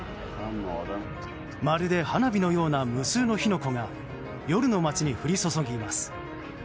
まるで花火のような無数の火の粉が夜の街に降り注ぎます。